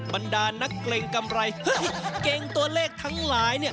บรรดานักเกรงกำไรเกรงตัวเลขทั้งหลายเนี่ย